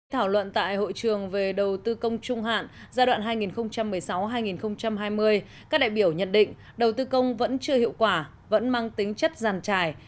thảo luận tại hội trường về đầu tư công trung hạn giai đoạn hai nghìn một mươi sáu hai nghìn hai mươi các đại biểu nhận định đầu tư công vẫn chưa hiệu quả vẫn mang tính chất giàn trải